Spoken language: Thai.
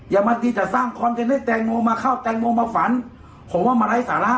บางทีจะสร้างคอนเทนต์ให้แตงโมมาเข้าแตงโมมาฝันผมว่ามาไร้สาระ